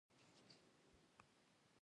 بامیان د افغانستان د طبعي سیسټم توازن ساتي.